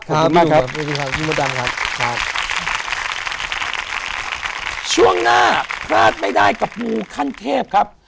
ขอบคุณมากครับขอบคุณครับช่วงหน้าพลาดไม่ได้กับมูขั้นเทพครับ